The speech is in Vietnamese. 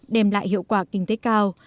đem lại hiệu quả kinh tế cao